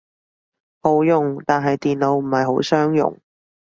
好用，但係電腦唔係好相容